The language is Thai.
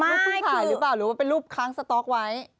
ไม่คือคือดอกผู้หลายหรือเปล่าหรือว่าเป็นรูปค้างสต๊อกไว้